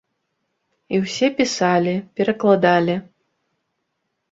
І ўсе пісалі, перакладалі.